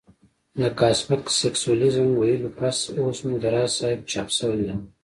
د کاسمک سېکسوليزم ويلو پس اوس مو د راز صاحب چاپ شوى ناول